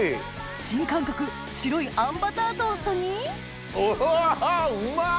新感覚白いあんバタートーストにうわっはうまっ！